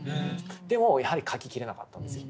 でもうやはり描ききれなかったんですよ。